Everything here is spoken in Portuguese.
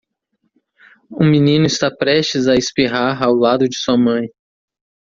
Um menino está prestes a espirrar ao lado de sua mãe.